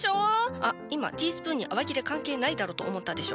あっ今ティースプーンに洗剤いらねえだろと思ったでしょ。